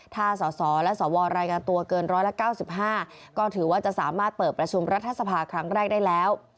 ถ้าสสและสวรายงานตัวเกิน๑๙๕ก็ถือว่าจะสามารถเปิดประชุมรัฐสภาครั้งแรกได้แล้ว